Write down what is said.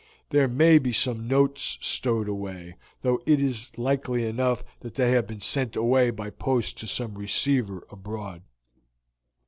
There may be some notes stowed away, though it is likely enough that they have been sent away by post to some receiver abroad."